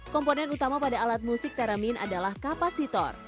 komponen utama pada alat musik teramin adalah kapasitor